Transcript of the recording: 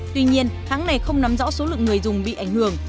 tuy nhiên hãng này không nắm rõ số lượng người dùng bị ảnh hưởng